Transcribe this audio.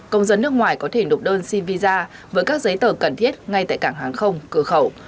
công dân nước ngoài có thể nộp đơn xin visa với các giấy tờ cần thiết ngay tại cảng hàng không cửa khẩu